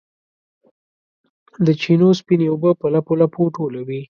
د چینو سپینې اوبه په لپو، لپو ټولوي